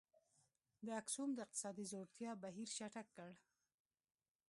د اکسوم د اقتصادي ځوړتیا بهیر چټک کړ.